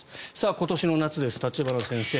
今年の夏です、立花先生。